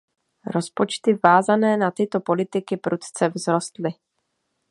Rozpočty vázané na tyto politiky prudce vzrostly.